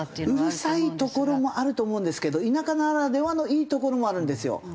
うるさいところもあると思うんですけど田舎ならではのいいところもあるんですよ。